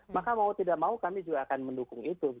maka mau tidak mau kami juga akan mendukung itu